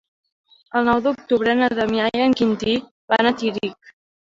El nou d'octubre na Damià i en Quintí van a Tírig.